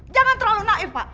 jangan terlalu naif pak